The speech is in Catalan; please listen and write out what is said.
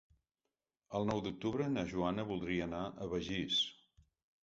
El nou d'octubre na Joana voldria anar a Begís.